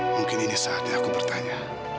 mungkin ini saatnya aku bertanya